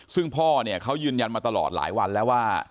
ซึ่งพ่อเนี่ยเขายืนยันมาตลอดหลายวันแล้วว่า